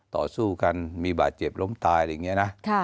ต่อสู้กันมีบาดเจ็บล้มตายอะไรอย่างนี้นะ